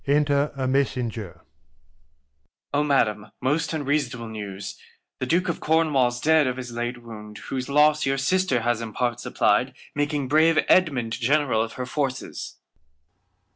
Enter a Messenger. Mess. O Madam, most unseasonable News, The Duke of Cornwall's dead of his late Wound, Whose Loss your Sister has in Part supply'd. Making brave Edmund General of her Forces.